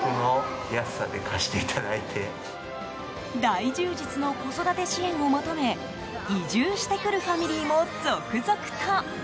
大充実の子育て支援を求め移住してくるファミリーも続々と。